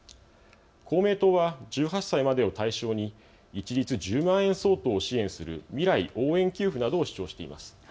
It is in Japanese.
公明党は１８歳までを対象に一律１０万円相当を支援する未来応援給付などを主張しています。